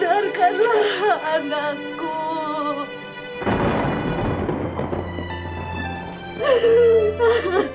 jangan lakuin ini nita